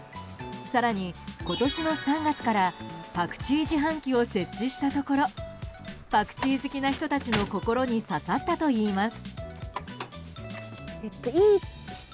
更に、今年の３月からパクチー自販機を設置したところパクチー好きな人たちの心に刺さったといいます。